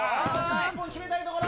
一本決めたいところ。